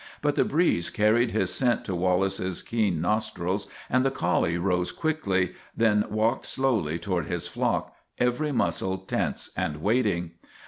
But the breeze carried his scent to Wal lace's keen nostrils, and the collie rose quickly, then walked slowly toward his flock, every muscle tense and waiting.